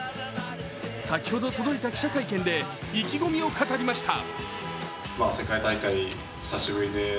先ほど届いた記者会見で意気込みを語りました。